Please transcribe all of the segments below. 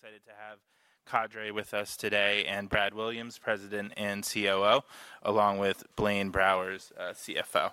... excited to have Cadre with us today, and Brad Williams, President and COO, along with Blaine Browers, CFO.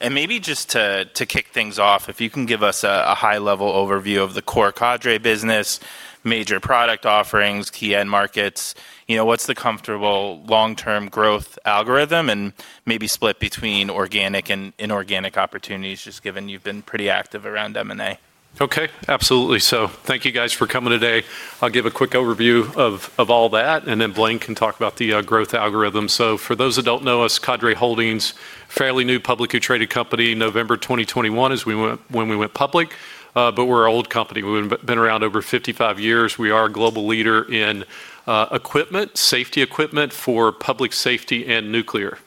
And maybe just to kick things off, if you can give us a high-level overview of the core Cadre business, major product offerings, key end markets. You know, what's the comfortable long-term growth algorithm? And maybe split between organic and inorganic opportunities, just given you've been pretty active around M&A. Okay, absolutely. So thank you, guys, for coming today. I'll give a quick overview of all that, and then Blaine can talk about the growth algorithm. So for those that don't know us, Cadre Holdings, fairly new publicly traded company, November twenty twenty-one is when we went public. But we're an old company. We've been around over 55 years. We are a global leader in equipment, safety equipment for public safety and nuclear.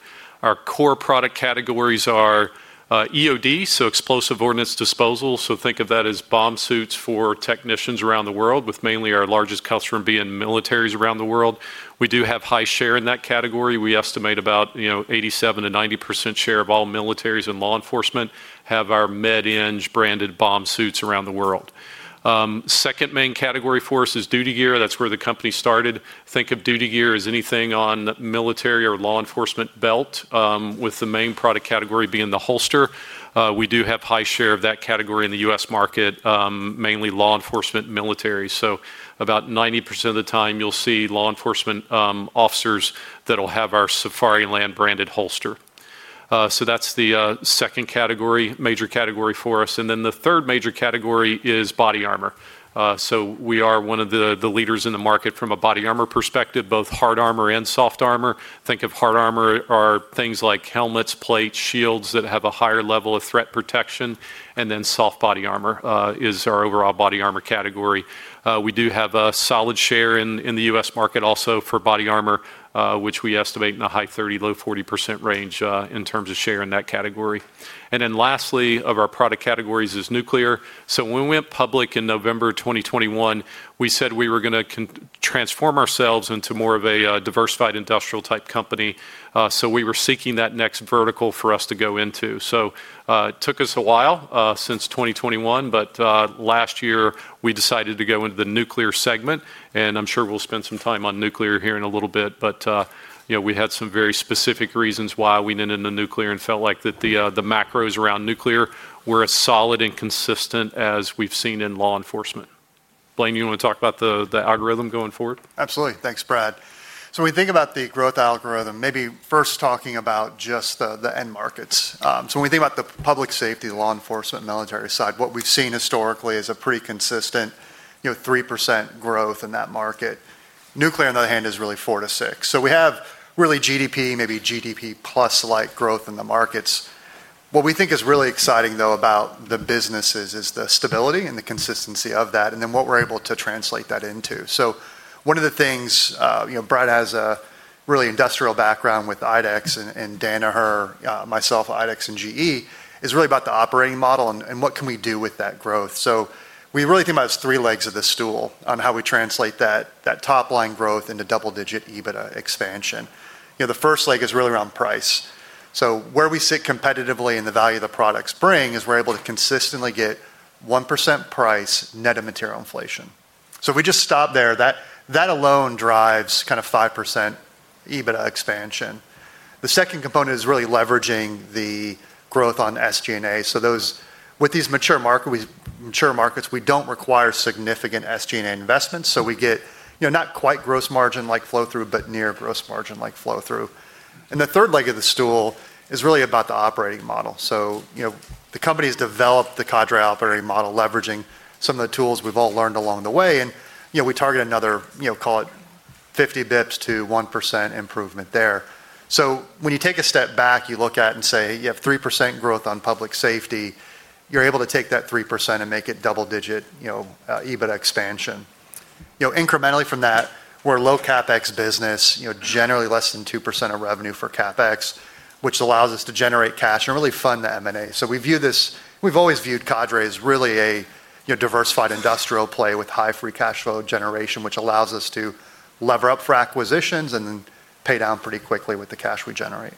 Our core product categories are EOD, so Explosive Ordnance Disposal, so think of that as bomb suits for technicians around the world, with mainly our largest customer being militaries around the world. We do have high share in that category. We estimate about, you know, 87%-90% share of all militaries and law enforcement have our Med-Eng-branded bomb suits around the world. Second main category for us is duty gear. That's where the company started. Think of duty gear as anything on military or law enforcement belt, with the main product category being the holster. We do have high share of that category in the US market, mainly law enforcement and military. So about 90% of the time, you'll see law enforcement officers that'll have our Safariland-branded holster. So that's the second category, major category for us, and then the third major category is body armor. So we are one of the leaders in the market from a body armor perspective, both hard armor and soft armor. Think of hard armor are things like helmets, plates, shields that have a higher level of threat protection, and then soft body armor is our overall body armor category. We do have a solid share in the U.S. market also for body armor, which we estimate in the high 30-low 40% range, in terms of share in that category. Then lastly, of our product categories is nuclear. So when we went public in November 2021, we said we were gonna transform ourselves into more of a diversified industrial-type company. So we were seeking that next vertical for us to go into. So it took us a while since 2021, but last year, we decided to go into the nuclear segment, and I'm sure we'll spend some time on nuclear here in a little bit. But, you know, we had some very specific reasons why we went into nuclear and felt like that the macros around nuclear were as solid and consistent as we've seen in law enforcement. Blaine, you want to talk about the algorithm going forward? Absolutely. Thanks, Brad. So when we think about the growth algorithm, maybe first talking about just the end markets. So when we think about the public safety, law enforcement, and military side, what we've seen historically is a pretty consistent, you know, 3% growth in that market. Nuclear, on the other hand, is really 4%-6%. So we have really GDP, maybe GDP-plus-like growth in the markets. What we think is really exciting, though, about the business is the stability and the consistency of that, and then what we're able to translate that into. So one of the things, you know, Brad has a really industrial background with IDEX and Danaher, myself, IDEX and GE, is really about the operating model and what can we do with that growth. So we really think about it as three legs of the stool on how we translate that, that top-line growth into double-digit EBITDA expansion. You know, the first leg is really around price. So where we sit competitively and the value the products bring is we're able to consistently get 1% price net of material inflation. So if we just stop there, that, that alone drives kind of 5% EBITDA expansion. The second component is really leveraging the growth on SG&A. So those, with these mature market, with mature markets, we don't require significant SG&A investments, so we get, you know, not quite gross margin like flow-through, but near gross margin like flow-through. And the third leg of the stool is really about the operating model. So, you know, the company's developed the Cadre operating model, leveraging some of the tools we've all learned along the way, and, you know, we target another, you know, call it 50 basis points to 1% improvement there. When you take a step back, you look at and say you have 3% growth on public safety, you're able to take that 3% and make it double-digit, you know, EBITDA expansion. You know, incrementally from that, we're a low CapEx business, you know, generally less than 2% of revenue for CapEx, which allows us to generate cash and really fund the M&A. We view this. We've always viewed Cadre as really a, you know, diversified industrial play with high free cash flow generation, which allows us to lever up for acquisitions and pay down pretty quickly with the cash we generate.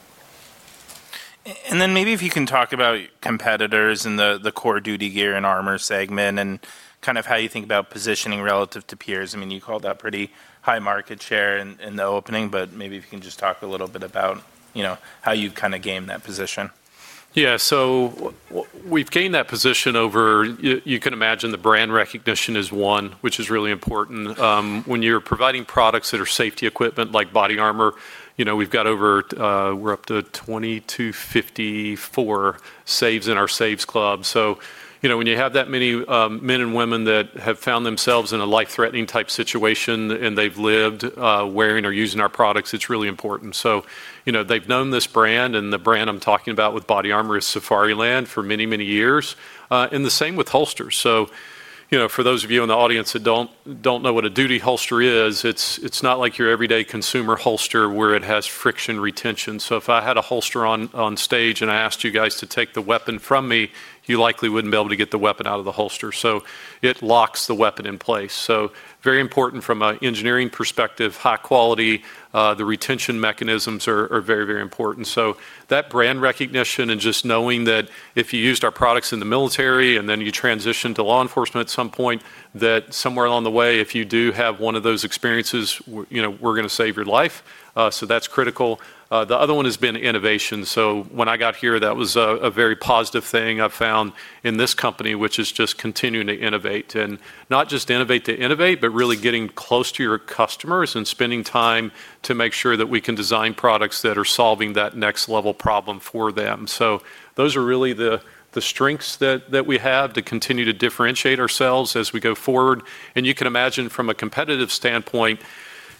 And then maybe if you can talk about competitors in the core duty gear and armor segment, and kind of how you think about positioning relative to peers. I mean, you called out pretty high market share in the opening, but maybe if you can just talk a little bit about, you know, how you've kind of gained that position. Yeah, so we've gained that position. You can imagine the brand recognition is one, which is really important. When you're providing products that are safety equipment, like body armor, you know, we've got over, we're up to 2,254 saves in our Saves Club. So, you know, when you have that many, men and women that have found themselves in a life-threatening type situation, and they've lived, wearing or using our products, it's really important. So, you know, they've known this brand, and the brand I'm talking about with body armor is Safariland, for many, many years, and the same with holsters. You know, for those of you in the audience that don't know what a duty holster is, it's not like your everyday consumer holster, where it has friction retention. So if I had a holster on stage, and I asked you guys to take the weapon from me, you likely wouldn't be able to get the weapon out of the holster. So it locks the weapon in place. So very important from an engineering perspective, high quality, the retention mechanisms are very, very important. So that brand recognition and just knowing that if you used our products in the military, and then you transitioned to law enforcement at some point, that somewhere along the way, if you do have one of those experiences, you know, we're gonna save your life. So that's critical. The other one has been innovation. So when I got here, that was a very positive thing I've found in this company, which is just continuing to innovate, and not just innovate to innovate, but really getting close to your customers and spending time to make sure that we can design products that are solving that next-level problem for them. So those are really the strengths that we have to continue to differentiate ourselves as we go forward. And you can imagine from a competitive standpoint,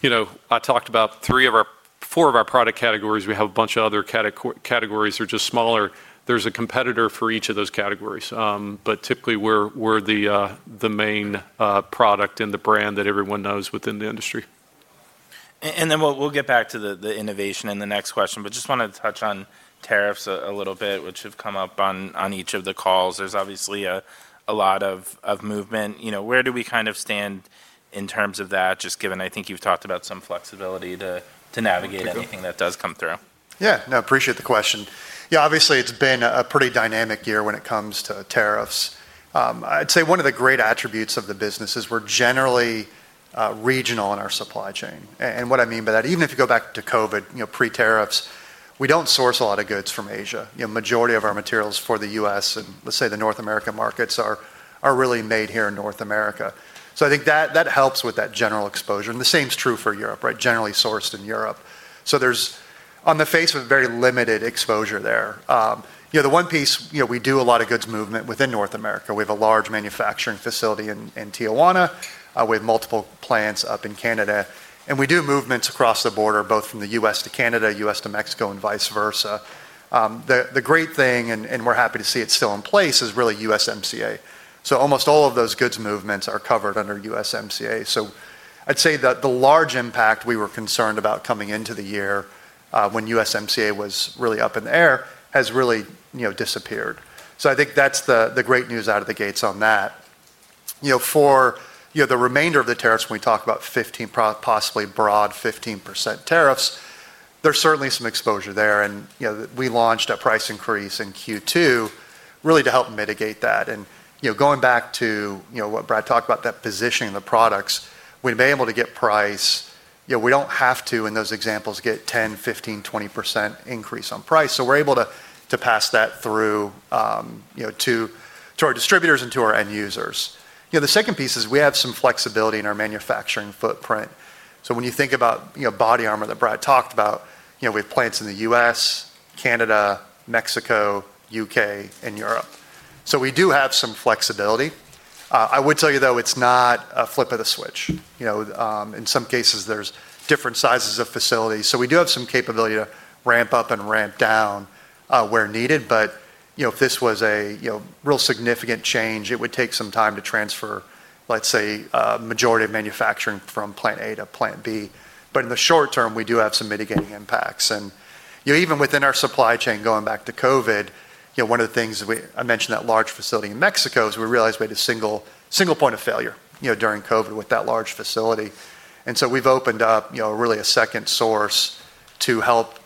you know, I talked about three of our... four of our product categories. We have a bunch of other categories that are just smaller. There's a competitor for each of those categories. But typically, we're the main product and the brand that everyone knows within the industry. And then we'll get back to the innovation in the next question, but just wanna touch on tariffs a little bit, which have come up on each of the calls. There's obviously a lot of movement. You know, where do we kind of stand in terms of that, just given, I think you've talked about some flexibility to navigate- Okay... anything that does come through? Yeah. No, appreciate the question. Yeah, obviously, it's been a pretty dynamic year when it comes to tariffs. I'd say one of the great attributes of the business is we're generally regional in our supply chain. And what I mean by that, even if you go back to COVID, you know, pre-tariffs, we don't source a lot of goods from Asia. You know, majority of our materials for the U.S., and let's say, the North America markets are really made here in North America. So I think that helps with that general exposure, and the same is true for Europe, right? Generally sourced in Europe. So there's, on the face of it, very limited exposure there. You know, the one piece, you know, we do a lot of goods movement within North America. We have a large manufacturing facility in Tijuana, we have multiple plants up in Canada, and we do movements across the border, both from the US to Canada, US to Mexico, and vice versa. The great thing, and we're happy to see it still in place, is really USMCA. So almost all of those goods movements are covered under USMCA. So I'd say that the large impact we were concerned about coming into the year, when USMCA was really up in the air, has really, you know, disappeared. So I think that's the great news out of the gates on that. You know, for the remainder of the tariffs, when we talk about 15 possibly broad 15% tariffs, there's certainly some exposure there and, you know, we launched a price increase in Q2, really to help mitigate that. You know, going back to what Brad talked about, that positioning the products, we've been able to get price. You know, we don't have to, in those examples, get 10%, 15%, 20% increase on price, so we're able to pass that through, you know, to our distributors and to our end users. You know, the second piece is, we have some flexibility in our manufacturing footprint. So when you think about, you know, body armor that Brad talked about, you know, we have plants in the U.S., Canada, Mexico, U.K., and Europe. So we do have some flexibility. I would tell you, though, it's not a flip of the switch. You know, in some cases, there's different sizes of facilities. So we do have some capability to ramp up and ramp down where needed, but, you know, if this was a, you know, real significant change, it would take some time to transfer, let's say, a majority of manufacturing from plant A to plant B. But in the short term, we do have some mitigating impacts. And, you know, even within our supply chain, going back to COVID, you know, one of the things I mentioned that large facility in Mexico is we realized we had a single point of failure, you know, during COVID with that large facility. And so we've opened up, you know, really a second source to help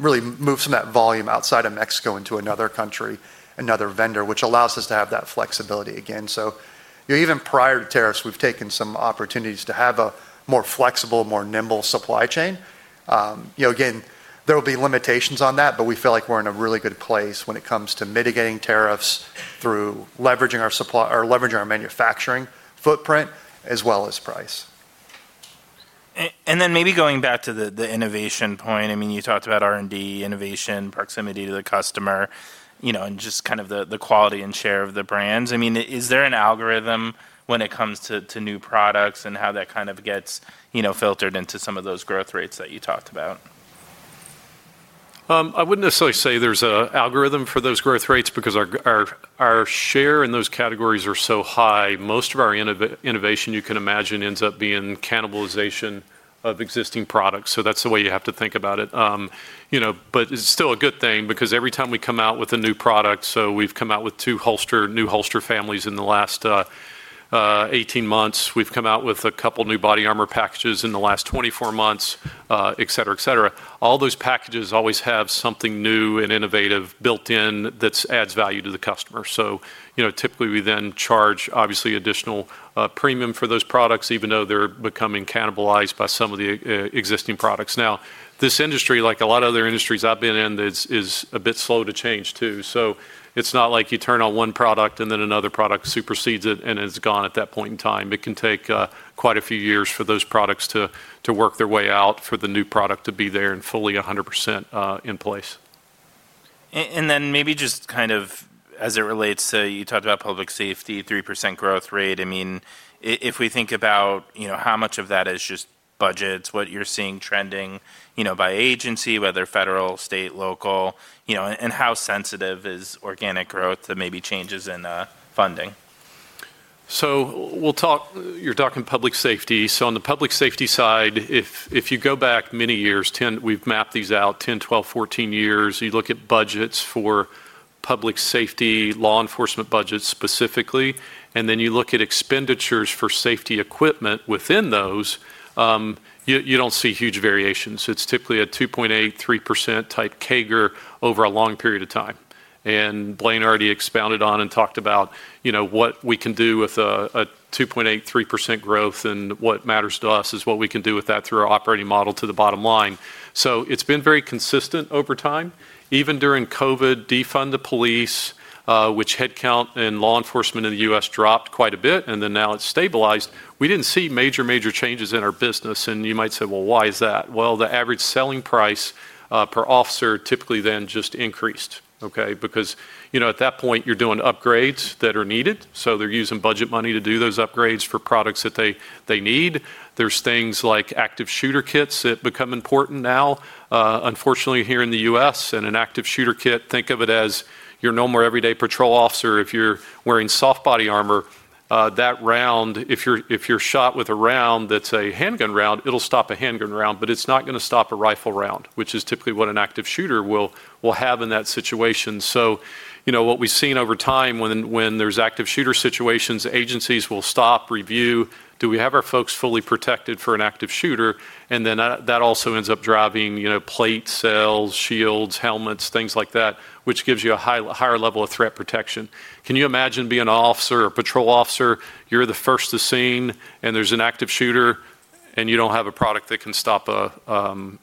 really move some of that volume outside of Mexico into another country, another vendor, which allows us to have that flexibility again. So, you know, even prior to tariffs, we've taken some opportunities to have a more flexible, more nimble supply chain. You know, again, there will be limitations on that, but we feel like we're in a really good place when it comes to mitigating tariffs through leveraging our supply or leveraging our manufacturing footprint, as well as price. And then maybe going back to the innovation point, I mean, you talked about R&D, innovation, proximity to the customer, you know, and just kind of the quality and share of the brands. I mean, is there an algorithm when it comes to new products and how that kind of gets, you know, filtered into some of those growth rates that you talked about? I wouldn't necessarily say there's an algorithm for those growth rates, because our share in those categories are so high. Most of our innovation, you can imagine, ends up being cannibalization of existing products, so that's the way you have to think about it. You know, but it's still a good thing, because every time we come out with a new product, so we've come out with two new holster families in the last 18 months. We've come out with a couple new body armor packages in the last 24 months, et cetera, et cetera. All those packages always have something new and innovative built in that adds value to the customer. So, you know, typically, we then charge, obviously, additional premium for those products, even though they're becoming cannibalized by some of the existing products. Now, this industry, like a lot of other industries I've been in, is a bit slow to change, too. So it's not like you turn on one product, and then another product supersedes it, and it's gone at that point in time. It can take quite a few years for those products to work their way out, for the new product to be there and fully 100% in place. And then maybe just kind of as it relates to, you talked about public safety, 3% growth rate, I mean, if we think about, you know, how much of that is just budgets, what you're seeing trending, you know, by agency, whether federal, state, local, you know, and how sensitive is organic growth to maybe changes in funding? You're talking public safety. So on the public safety side, if you go back many years, 10. We've mapped these out 10, 12, 14 years, you look at budgets for public safety, law enforcement budgets specifically, and then you look at expenditures for safety equipment within those. You don't see huge variations. It's typically a 2.8%-3% type CAGR over a long period of time. And Blaine already expounded on and talked about, you know, what we can do with a 2.8%-3% growth, and what matters to us is what we can do with that through our operating model to the bottom line. So it's been very consistent over time. Even during COVID, defund the police, which headcount and law enforcement in the U.S. dropped quite a bit, and then now it's stabilized, we didn't see major changes in our business, and you might say, "Well, why is that?" Well, the average selling price per officer typically then just increased, okay? Because, you know, at that point, you're doing upgrades that are needed, so they're using budget money to do those upgrades for products that they need. There's things like active shooter kits that become important now, unfortunately, here in the U.S. An active shooter kit, think of it as your normal, everyday patrol officer, if you're wearing soft body armor, that round, if you're shot with a round that's a handgun round, it'll stop a handgun round, but it's not gonna stop a rifle round, which is typically what an active shooter will have in that situation. So, you know, what we've seen over time, when there's active shooter situations, agencies will stop, review, "Do we have our folks fully protected for an active shooter?" And then that also ends up driving, you know, plate sales, shields, helmets, things like that, which gives you a higher level of threat protection. Can you imagine being an officer, a patrol officer, you're the first to the scene, and there's an active shooter, and you don't have a product that can stop a,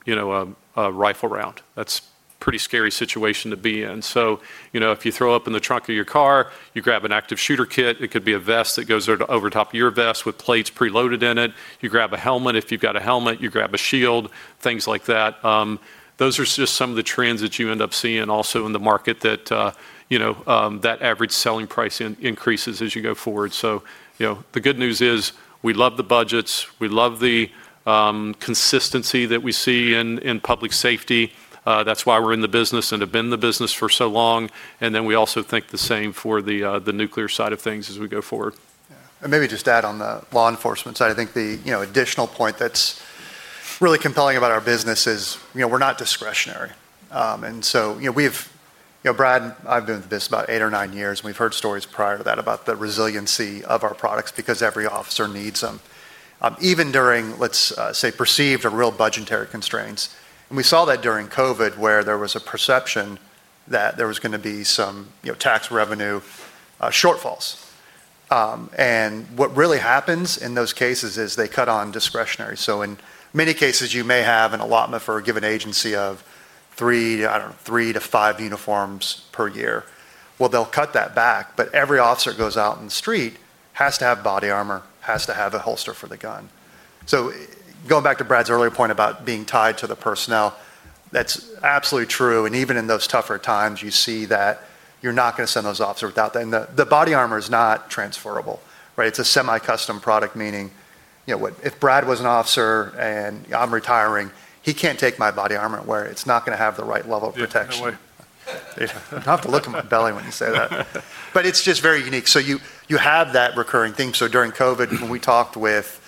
you know, a rifle round? That's pretty scary situation to be in. So, you know, if you throw up in the trunk of your car, you grab an active shooter kit, it could be a vest that goes over top of your vest with plates preloaded in it. You grab a helmet if you've got a helmet, you grab a shield, things like that. Those are just some of the trends that you end up seeing also in the market that average selling price increases as you go forward. So, you know, the good news is, we love the budgets, we love the consistency that we see in public safety. That's why we're in the business and have been in the business for so long, and then we also think the same for the nuclear side of things as we go forward. Yeah, and maybe just add on the law enforcement side. I think the, you know, additional point that's really compelling about our business is, you know, we're not discretionary. And so, you know, we've... You know, Brad, I've been with this about eight or nine years, and we've heard stories prior to that about the resiliency of our products because every officer needs them, even during, let's say, perceived or real budgetary constraints. And we saw that during COVID, where there was a perception that there was gonna be some, you know, tax revenue shortfalls. And what really happens in those cases is they cut on discretionary. So in many cases, you may have an allotment for a given agency of three, I don't know, three to five uniforms per year. They'll cut that back, but every officer who goes out in the street has to have body armor, has to have a holster for the gun. So going back to Brad's earlier point about being tied to the personnel, that's absolutely true, and even in those tougher times, you see that you're not gonna send those officers without that. And the body armor is not transferable, right? It's a semi-custom product, meaning, you know, what if Brad was an officer, and I'm retiring, he can't take my body armor and wear it. It's not gonna have the right level of protection. Yeah, no way. You don't have to look at my belly when you say that. But it's just very unique. So you have that recurring theme. So during COVID, when we talked with,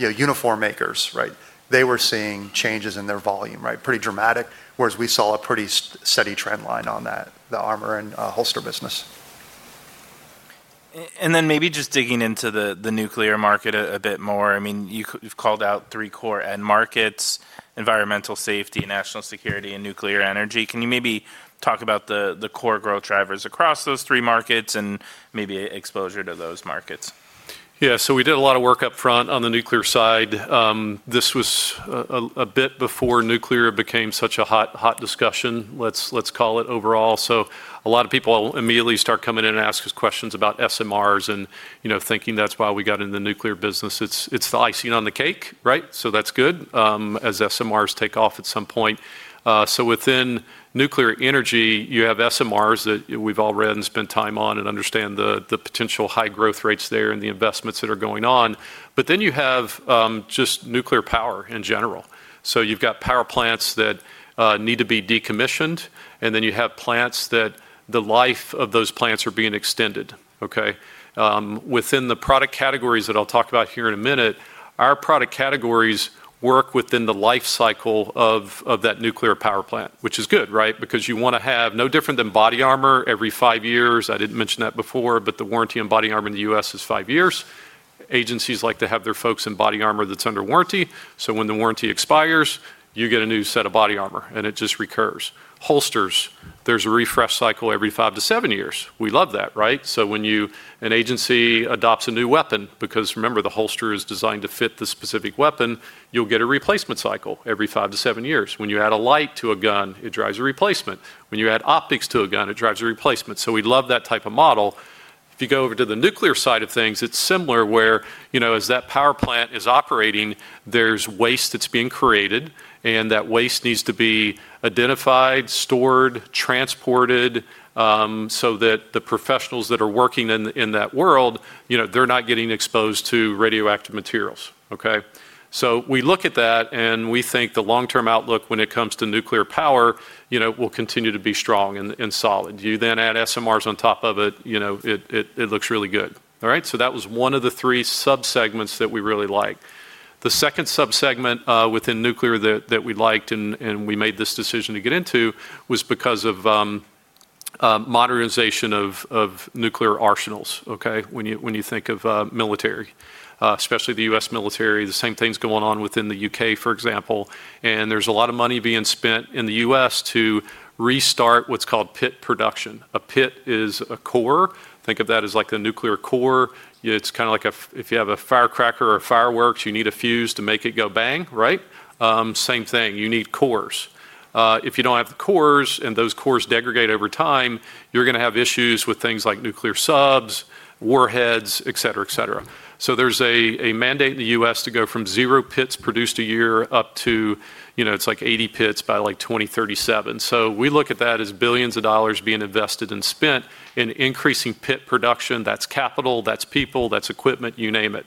you know, uniform makers, right, they were seeing changes in their volume, right? Pretty dramatic, whereas we saw a pretty steady trend line on that, the armor and holster business. And then maybe just digging into the nuclear market a bit more. I mean, you've called out three core end markets: environmental safety, national security, and nuclear energy. Can you maybe talk about the core growth drivers across those three markets and maybe exposure to those markets? Yeah, so we did a lot of work up front on the nuclear side. This was a bit before nuclear became such a hot discussion, let's call it, overall. So a lot of people immediately start coming in and asking us questions about SMRs and, you know, thinking that's why we got into the nuclear business. It's the icing on the cake, right? So that's good, as SMRs take off at some point. So within nuclear energy, you have SMRs that we've all read and spent time on and understand the potential high growth rates there and the investments that are going on, but then you have just nuclear power in general. So you've got power plants that need to be decommissioned, and then you have plants that the life of those plants are being extended, okay? Within the product categories that I'll talk about here in a minute, our product categories work within the life cycle of that nuclear power plant, which is good, right? Because you wanna have no different than body armor every five years. I didn't mention that before, but the warranty on body armor in the U.S. is five years. Agencies like to have their folks in body armor that's under warranty, so when the warranty expires, you get a new set of body armor, and it just recurs. Holsters, there's a refresh cycle every five to seven years. We love that, right? So when an agency adopts a new weapon, because remember, the holster is designed to fit the specific weapon, you'll get a replacement cycle every five to seven years. When you add a light to a gun, it drives a replacement. When you add optics to a gun, it drives a replacement. So we love that type of model. If you go over to the nuclear side of things, it's similar, where, you know, as that power plant is operating, there's waste that's being created, and that waste needs to be identified, stored, transported, so that the professionals that are working in that world, you know, they're not getting exposed to radioactive materials, okay? So we look at that, and we think the long-term outlook when it comes to nuclear power, you know, will continue to be strong and solid. You then add SMRs on top of it, you know, it looks really good. All right? So that was one of the three sub-segments that we really like. The second sub-segment within nuclear that we liked and we made this decision to get into was because of modernization of nuclear arsenals, okay? When you think of military, especially the U.S. military, the same thing's going on within the U.K., for example, and there's a lot of money being spent in the U.S. to restart what's called pit production. A pit is a core. Think of that as, like, a nuclear core. It's kind of like a... If you have a firecracker or fireworks, you need a fuse to make it go bang, right? Same thing, you need cores. If you don't have the cores, and those cores degrade over time, you're gonna have issues with things like nuclear subs, warheads, et cetera, et cetera. So there's a mandate in the U.S. to go from zero pits produced a year up to, you know, it's like 80 pits by like 2037. So we look at that as billions of dollars being invested and spent in increasing pit production. That's capital, that's people, that's equipment, you name it.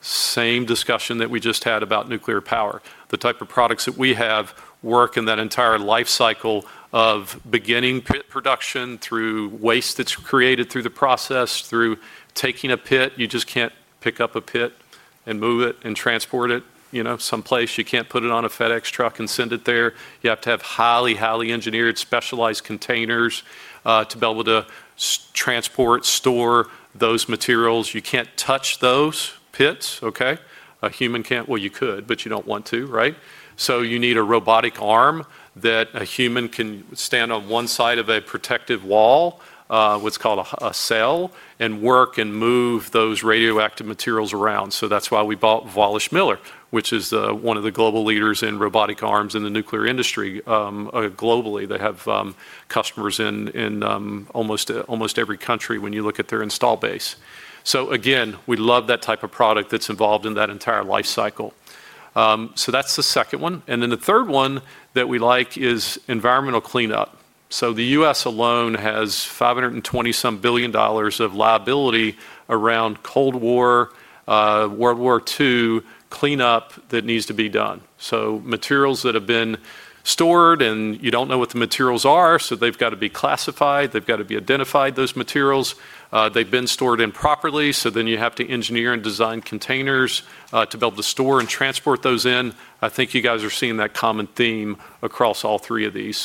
Same discussion that we just had about nuclear power. The type of products that we have work in that entire life cycle of beginning pit production, through waste that's created through the process, through taking a pit. You just can't pick up a pit and move it and transport it, you know, someplace. You can't put it on a FedEx truck and send it there. You have to have highly, highly engineered, specialized containers to be able to transport, store those materials. You can't touch those pits, okay? A human can't what you could, but you don't want to, right? You need a robotic arm that a human can stand on one side of a protective wall, what's called a cell, and work and move those radioactive materials around. That's why we bought Walischmiller, which is one of the global leaders in robotic arms in the nuclear industry. Globally, they have customers in almost every country when you look at their installed base. Again, we love that type of product that's involved in that entire life cycle. That's the second one, and then the third one that we like is environmental cleanup. The U.S. alone has $520 billion-some of liability around Cold War, World War II cleanup that needs to be done. So materials that have been stored, and you don't know what the materials are, so they've got to be classified. They've got to be identified, those materials. They've been stored improperly, so then you have to engineer and design containers to be able to store and transport those in. I think you guys are seeing that common theme across all three of these.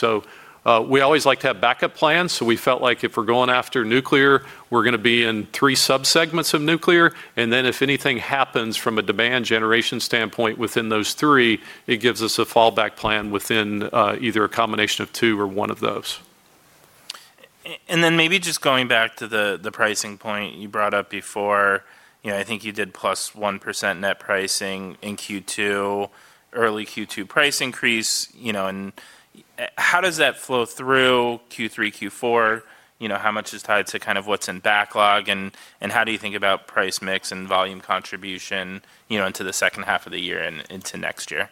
So we always like to have backup plans, so we felt like if we're going after nuclear, we're gonna be in three sub-segments of nuclear. And then if anything happens from a demand generation standpoint within those three, it gives us a fallback plan within either a combination of two or one of those. And then maybe just going back to the pricing point you brought up before, you know, I think you did plus 1% net pricing in Q2, early Q2 price increase, you know. And how does that flow through Q3, Q4? You know, how much is tied to kind of what's in backlog, and how do you think about price mix and volume contribution, you know, into the second half of the year and into next year?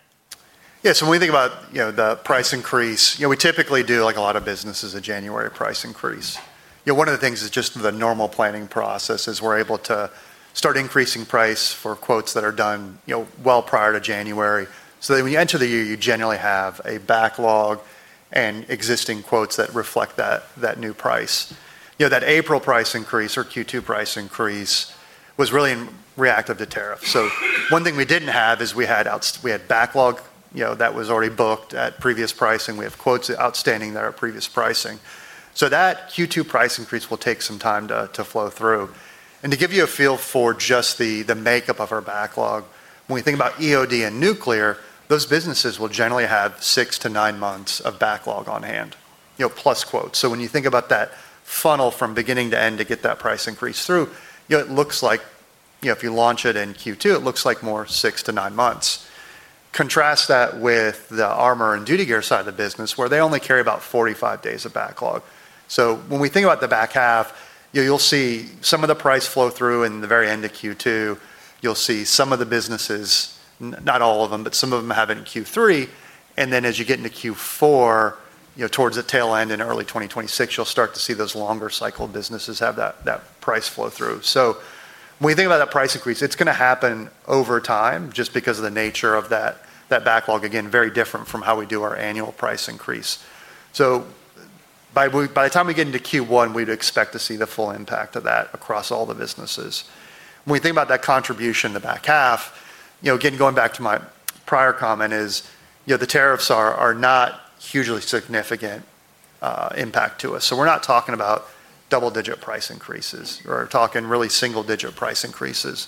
Yeah. So when we think about, you know, the price increase, you know, we typically do, like a lot of businesses, a January price increase. You know, one of the things is just the normal planning process, is we're able to start increasing price for quotes that are done, you know, well prior to January. So that when you enter the year, you generally have a backlog and existing quotes that reflect that, that new price. You know, that April price increase or Q2 price increase was really reactive to tariff. So one thing we didn't have, is we had backlog, you know, that was already booked at previous pricing. We have quotes outstanding that are previous pricing. So that Q2 price increase will take some time to flow through. And to give you a feel for just the makeup of our backlog, when we think about EOD and nuclear, those businesses will generally have six to nine months of backlog on hand, you know, plus quotes. So when you think about that funnel from beginning to end to get that price increase through, you know, it looks like, you know, if you launch it in Q2, it looks like more six to nine months. Contrast that with the armor and duty gear side of the business, where they only carry about forty-five days of backlog. So when we think about the back half, you know, you'll see some of the price flow through in the very end of Q2. You'll see some of the businesses, not all of them, but some of them have it in Q3, and then as you get into Q4, you know, towards the tail end in early 2026, you'll start to see those longer cycle businesses have that price flow through. So when we think about that price increase, it's gonna happen over time, just because of the nature of that backlog. Again, very different from how we do our annual price increase. So by the time we get into Q1, we'd expect to see the full impact of that across all the businesses. When we think about that contribution in the back half, you know, again, going back to my prior comment, is, you know, the tariffs are not hugely significant impact to us. So we're not talking about double-digit price increases. We're talking really single-digit price increases.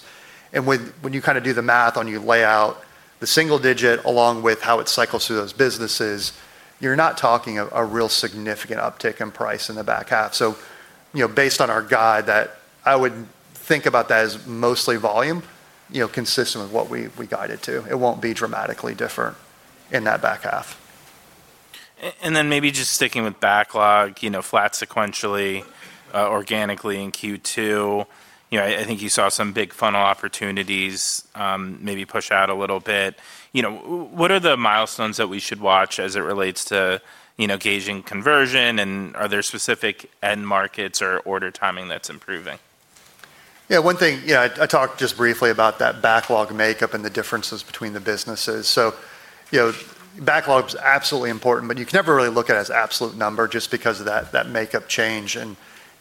And when you kind of do the math, and you lay out the single-digit, along with how it cycles through those businesses, you're not talking a real significant uptick in price in the back half. So, you know, based on our guide, that. I would think about that as mostly volume, you know, consistent with what we guided to. It won't be dramatically different in that back half. And then maybe just sticking with backlog, you know, flat sequentially, organically in Q2. You know, I think you saw some big funnel opportunities, maybe push out a little bit. You know, what are the milestones that we should watch as it relates to, you know, gauging conversion, and are there specific end markets or order timing that's improving? Yeah, one thing, I talked just briefly about that backlog makeup and the differences between the businesses. So, you know, backlog's absolutely important, but you can never really look at it as absolute number just because of that makeup change. And,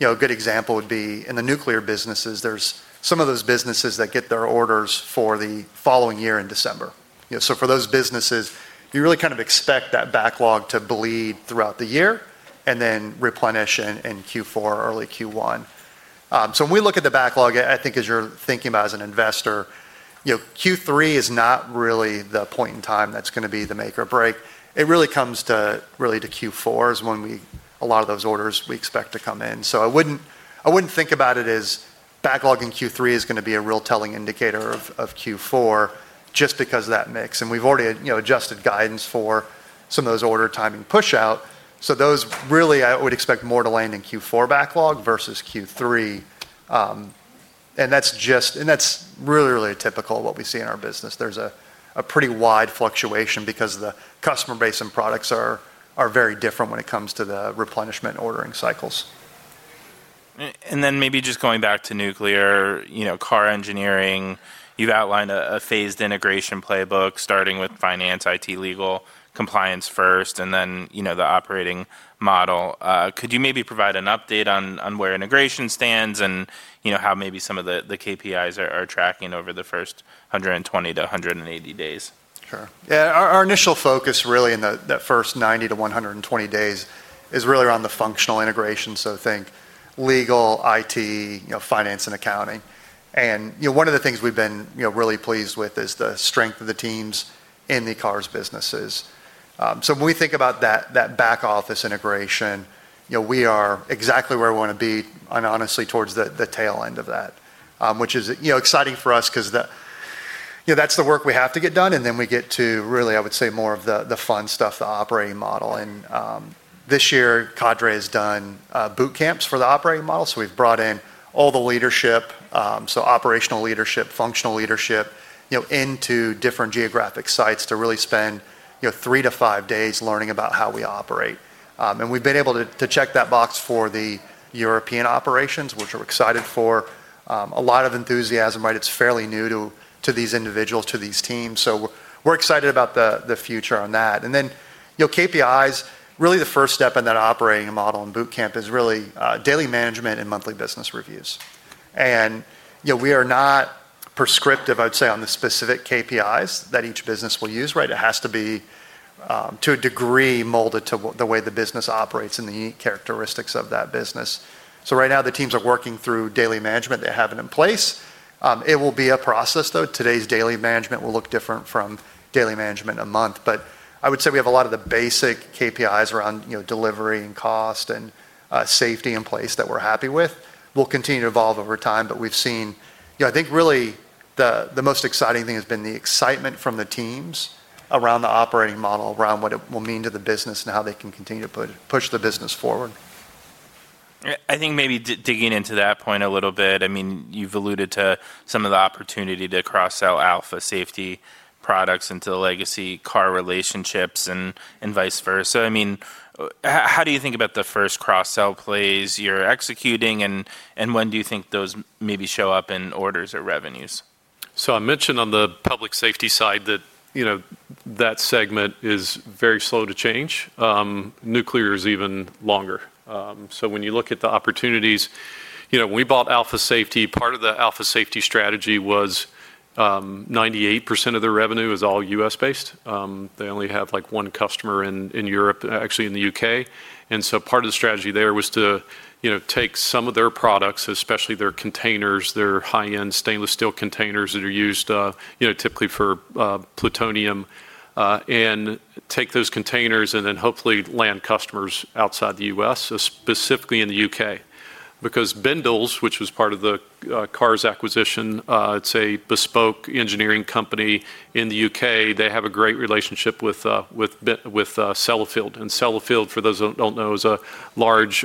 you know, a good example would be in the nuclear businesses, there's some of those businesses that get their orders for the following year in December. You know, so for those businesses, you really kind of expect that backlog to bleed throughout the year and then replenish in Q4, early Q1. So when we look at the backlog, I think as you're thinking about as an investor, you know, Q3 is not really the point in time that's gonna be the make or break. It really comes to Q4 is when we... A lot of those orders we expect to come in. So I wouldn't think about it as backlog in Q3 is gonna be a real telling indicator of Q4 just because of that mix, and we've already, you know, adjusted guidance for some of those order timing pushout. So those really, I would expect more to land in Q4 backlog versus Q3. And that's just really typical what we see in our business. There's a pretty wide fluctuation because the customer base and products are very different when it comes to the replenishment ordering cycles. And then maybe just going back to nuclear, you know, Carr Engineering, you've outlined a phased integration playbook, starting with finance, IT, legal, compliance first, and then, you know, the operating model. Could you maybe provide an update on where integration stands and, you know, how maybe some of the KPIs are tracking over the first 120-180 days? Sure. Yeah, our initial focus really in that first 90-120 days is really around the functional integration, so think legal, IT, you know, finance and accounting. You know, one of the things we've been, you know, really pleased with is the strength of the teams in the Carr's businesses. So when we think about that back office integration, you know, we are exactly where we want to be, and honestly, towards the tail end of that. Which is, you know, exciting for us 'cause, you know, that's the work we have to get done, and then we get to really, I would say, more of the fun stuff, the operating model. This year, Cadre has done boot camps for the operating model, so we've brought in all the leadership, so operational leadership, functional leadership, you know, into different geographic sites to really spend, you know, three to five days learning about how we operate. We've been able to check that box for the European operations, which we're excited for. A lot of enthusiasm, right? It's fairly new to these individuals, to these teams, so we're excited about the future on that. Then, you know, KPIs, really the first step in that operating model and boot camp is really daily management and monthly business reviews. You know, we are not prescriptive, I'd say, on the specific KPIs that each business will use, right? It has to be, to a degree, molded to the way the business operates and the characteristics of that business. So right now, the teams are working through daily management. They have it in place. It will be a process, though. Today's daily management will look different from daily management in a month. But I would say we have a lot of the basic KPIs around, you know, delivery and cost and safety in place that we're happy with, will continue to evolve over time. But we've seen. You know, I think really the most exciting thing has been the excitement from the teams around the operating model, around what it will mean to the business and how they can continue to push the business forward. I think maybe digging into that point a little bit, I mean, you've alluded to some of the opportunity to cross-sell Alpha Safety products into the legacy Carr relationships and, and vice versa. I mean, how do you think about the first cross-sell plays you're executing, and, and when do you think those maybe show up in orders or revenues? So I mentioned on the public safety side that, you know, that segment is very slow to change. Nuclear is even longer. So when you look at the opportunities, you know, when we bought Alpha Safety, part of the Alpha Safety strategy was, 98% of their revenue is all U.S.-based. They only have, like, one customer in, in Europe, actually in the U.K. And so part of the strategy there was to, you know, take some of their products, especially their containers, their high-end stainless steel containers that are used, you know, typically for plutonium, and take those containers and then hopefully land customers outside the U.S., so specifically in the U.K., because Bendalls, which was part of the, Carr's acquisition, it's a bespoke engineering company in the U.K. They have a great relationship with, with Sellafield. Sellafield, for those who don't know, is a large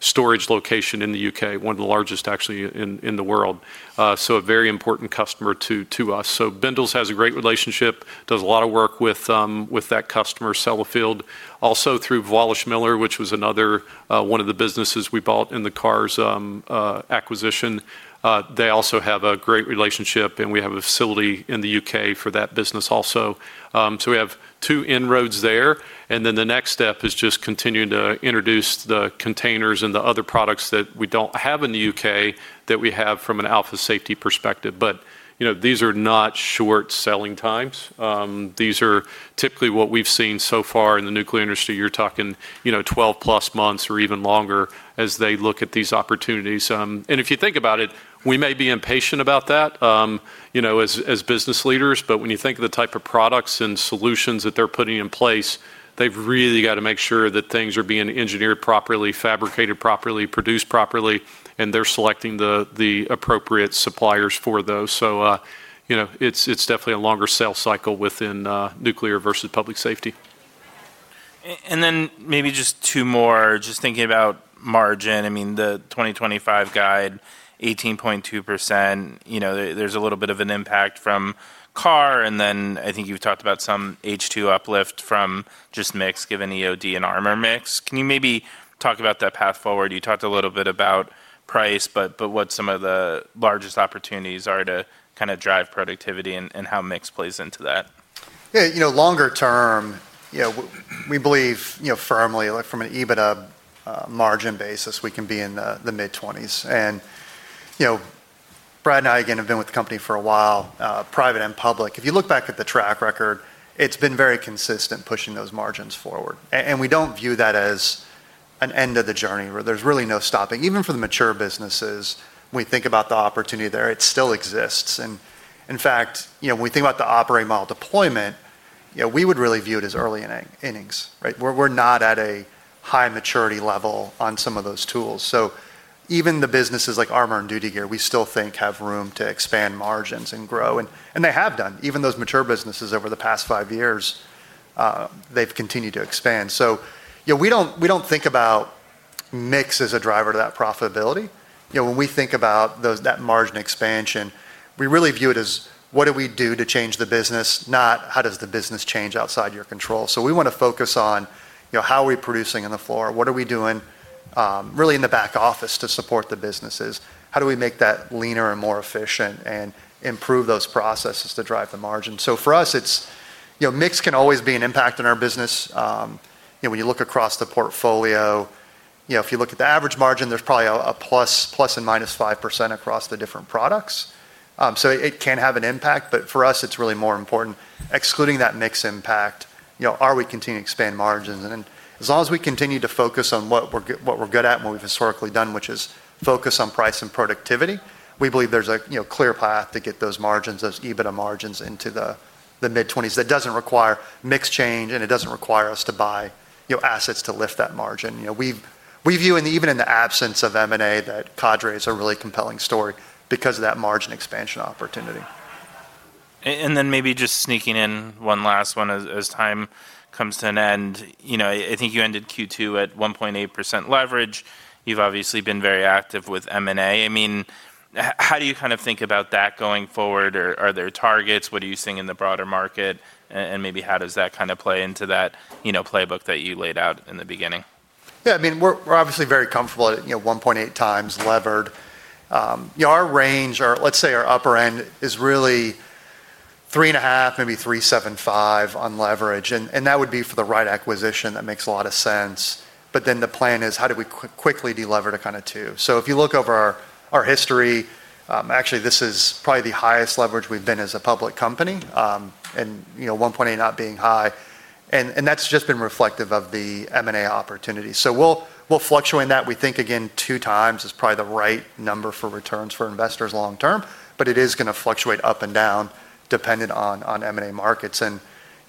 storage location in the UK, one of the largest, actually, in the world. A very important customer to us. Bendalls has a great relationship, does a lot of work with that customer, Sellafield. Also, through Walischmiller, which was another one of the businesses we bought in the Carr's acquisition, they also have a great relationship, and we have a facility in the UK for that business also. We have two inroads there, and then the next step is just continuing to introduce the containers and the other products that we don't have in the UK that we have from an Alpha Safety perspective. You know, these are not short selling times. These are typically what we've seen so far in the nuclear industry. You're talking, you know, twelve plus months or even longer as they look at these opportunities. And if you think about it, we may be impatient about that, you know, as business leaders, but when you think of the type of products and solutions that they're putting in place, they've really got to make sure that things are being engineered properly, fabricated properly, produced properly, and they're selecting the appropriate suppliers for those. So, you know, it's definitely a longer sales cycle within nuclear versus public safety. And then maybe just two more, just thinking about margin. I mean, the 2025 guide, 18.2%, you know, there's a little bit of an impact from CAR, and then I think you've talked about some H2 uplift from just mix, given EOD and Armor mix. Can you maybe talk about that path forward? You talked a little bit about price, but what some of the largest opportunities are to kinda drive productivity and how mix plays into that? Yeah, you know, longer term, you know, we believe, you know, firmly, like from an EBITDA margin basis, we can be in the mid-20s. And, you know, Brad and I, again, have been with the company for a while, private and public. If you look back at the track record, it's been very consistent, pushing those margins forward. And we don't view that as an end of the journey, where there's really no stopping. Even for the mature businesses, when we think about the opportunity there, it still exists. And in fact, you know, when we think about the operating model deployment, you know, we would really view it as early innings, right? We're not at a high maturity level on some of those tools. So even the businesses like Armor and Duty Gear, we still think have room to expand margins and grow, and they have done. Even those mature businesses over the past five years, they've continued to expand. You know, we don't, we don't think about mix as a driver to that profitability. You know, when we think about those, that margin expansion, we really view it as what do we do to change the business, not how does the business change outside your control. So we wanna focus on, you know, how are we producing on the floor. What are we doing really in the back office to support the businesses. How do we make that leaner and more efficient and improve those processes to drive the margin. So for us, it's you know, mix can always be an impact on our business. You know, when you look across the portfolio, you know, if you look at the average margin, there's probably a plus or minus 5% across the different products. So it can have an impact, but for us it's really more important, excluding that mix impact, you know, are we continuing to expand margins? And then as long as we continue to focus on what we're good at and what we've historically done, which is focus on price and productivity, we believe there's a, you know, clear path to get those margins, those EBITDA margins, into the mid-20s. That doesn't require mix change, and it doesn't require us to buy, you know, assets to lift that margin. You know, we view, even in the absence of M&A, that Cadre is a really compelling story because of that margin expansion opportunity. And then maybe just sneaking in one last one as time comes to an end. You know, I think you ended Q2 at 1.8% leverage. You've obviously been very active with M&A. I mean, how do you kind of think about that going forward, or are there targets? What are you seeing in the broader market, and maybe how does that kind of play into that, you know, playbook that you laid out in the beginning? Yeah, I mean, we're obviously very comfortable at, you know, 1.8 times levered. You know, our range, our... Let's say our upper end is really three and a half, maybe 3.75 on leverage, and that would be for the right acquisition. That makes a lot of sense. But then the plan is, how do we quickly delever to kinda two? So if you look over our history, actually this is probably the highest leverage we've been as a public company. And, you know, 1.8 not being high, and that's just been reflective of the M&A opportunity. So we'll fluctuate in that. We think, again, two times is probably the right number for returns for investors long term, but it is gonna fluctuate up and down, dependent on M&A markets. You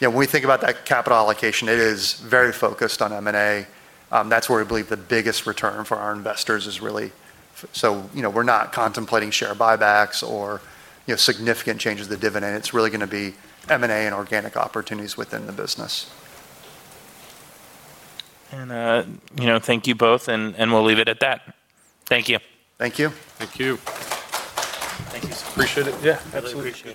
know, when we think about that capital allocation, it is very focused on M&A. That's where we believe the biggest return for our investors is really, so you know, we're not contemplating share buybacks or, you know, significant changes to the dividend. It's really gonna be M&A and organic opportunities within the business. And, you know, thank you both, and we'll leave it at that. Thank you. Thank you. Thank you. Thank you. Appreciate it. Yeah, absolutely. Appreciate it.